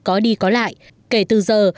có đi có lại kể từ giờ